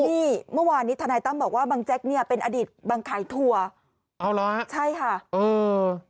นี่เมื่อวานนี้ธนายตั้มบอกว่าบางแจ็คเนี่ยเป็นอดีตบางไข่ทัวร์เอาละใช่ค่ะเออ